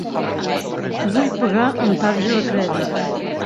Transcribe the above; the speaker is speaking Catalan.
Vull pagar amb tarja de crèdit.